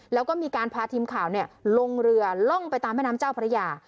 แล้วก็มีการพาทีมข่าวลงเรือล่องไปตามแม่น้ำเจ้าพระยา